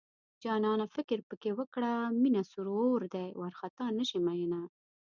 جانانه فکر پکې وکړه مينه سور اور دی وارخطا نشې مينه